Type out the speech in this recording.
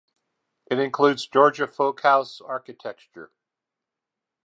It includes "Georgia Folk House" architecture.